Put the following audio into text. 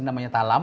ini namanya talam